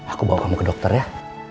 aku bawa kamu ke dokter ya